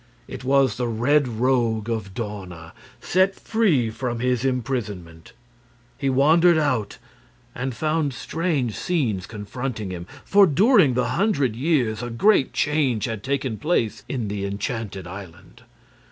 It was the Red Rogue of Dawna, set free from his imprisonment. He wandered out and found strange scenes confronting him, for during the hundred years a great change had taken place in the Enchanted Island.